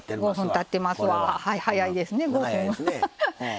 早いですね、５分。